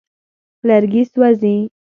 لرګي سوځوي.